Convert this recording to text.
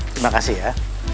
terima kasih ya